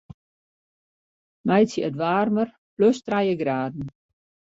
Meitsje it waarmer plus trije graden.